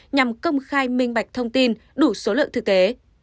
nhằm công khai minh bạch thông tin đủ số lượng thực tế